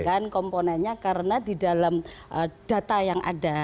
kan komponennya karena di dalam data yang ada